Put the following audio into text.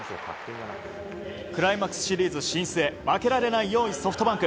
クライマックスシリーズ進出へ負けられない４位ソフトバンク。